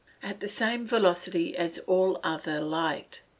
_ At the same velocity as all other light.